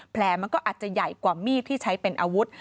แผลมันก็อาจจะใหญ่กว่ามีดที่ใช้เป็นอาวุธ